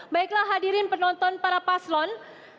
baiklah hadirin penonton para paslon